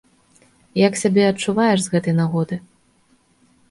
Як сябе адчуваеш з гэтай нагоды?